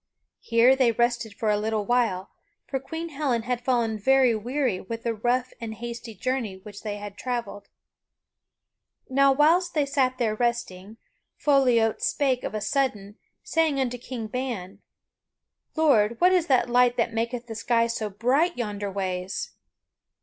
Here they rested for a little while, for Queen Helen had fallen very weary with the rough and hasty journey which they had traveled. [Sidenote: Foliot seeth a light] Now whilst they sat there resting, Foliot spake of a sudden, saying unto King Ban: "Lord, what is that light that maketh the sky so bright yonder ways?"